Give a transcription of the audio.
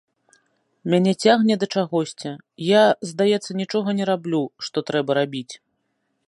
Мяне цягне да чагосьці, я, здаецца, нічога не раблю, што трэба рабіць.